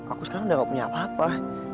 aku sekarang udah gak punya apa apa